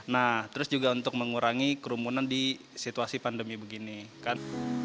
nah terus juga untuk mengurangi kerumunan di situasi pandemi begini kan